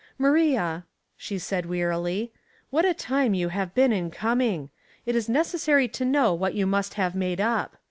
" Maria," she said, wearily, " what a time you have been in coming. It is necessary to know what you must have made up.